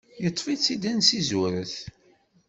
Iṭṭef-itt-id ansi zuret.